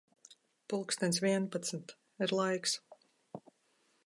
Pulkstens vienpadsmit. Ir laiks.